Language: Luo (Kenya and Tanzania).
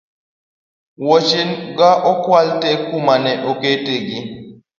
Woche ga okwal tee kuma ne aketo gi